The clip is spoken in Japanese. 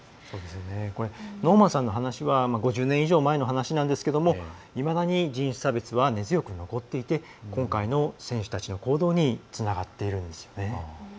ノーマンさんの話は５０年以上前の話なんですけどもいまだに、人種差別は根強く残っていて今回の選手たちの行動につながっているんですよね。